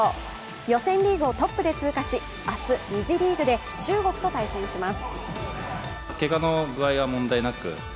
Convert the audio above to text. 予選リーグをトップで通過し、明日２次リーグで中国と対戦します。